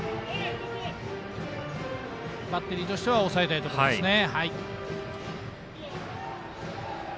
バッテリーとしては抑えたいところですね。